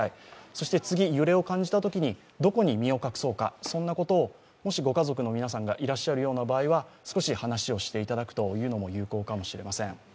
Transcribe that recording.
そして次揺れを感じたときにどこに身を隠そうか、そんなことを、もしご家族の皆さんがいらっしゃる場合は少し話をしていただくのも有効かもしれません。